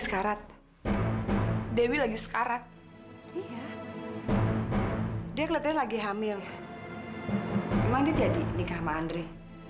sekarat dewi lagi sekarat dia kelihatan lagi hamil emang dia jadi nikah andre